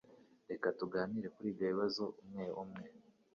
Reka tuganire kuri ibyo bibazo umwe umwe.